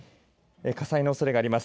火災のおそれがあります